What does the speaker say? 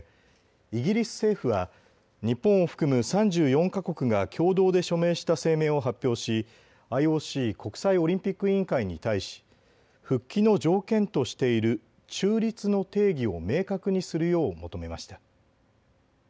イギリス政府は日本を含む３４か国が共同で署名した声明を発表しＩＯＣ・国際オリンピック委員会に対し復帰の条件としている中立の定義を明確にするよう求めました。